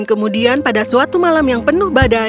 dan kemudian pada suatu malam yang penuh badan